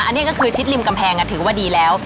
อันนี้ก็คือชิดริมกำแพงถือว่าดีแล้ว